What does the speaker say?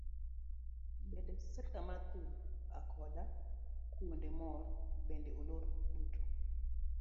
Bende sekta mar thum akoda kuonde mor bende olor duto.